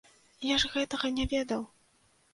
Я ж гэтага не ведаў.